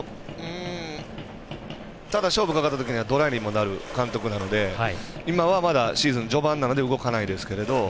ただ勝負かかったときにはドライにもなる監督なので今はまだシーズン序盤なので動かないですけど。